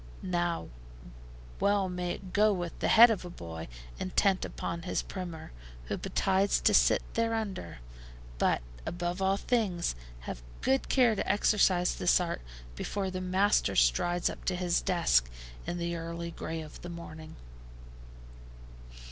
Now well may it go with the head of a boy intent upon his primer, who betides to sit thereunder! But, above all things, have good care to exercise this art before the master strides up to his desk, in the early gray of the morning.